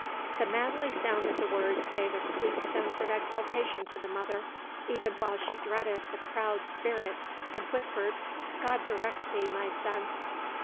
The manly sound of the words gave a sweet sense of exultation to the mother, even while she dreaded the proud spirit, and whispered, "God direct thee, my son."